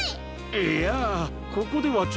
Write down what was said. いやここではちょっと。